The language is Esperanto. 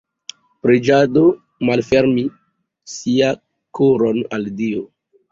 Preĝado: malfermi sia koron al Dio.